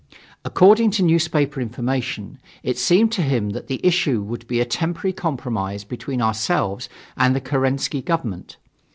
According to newspaper information, it seemed to him that the issue would be a temporary compromise between ourselves and the Kerensky Government.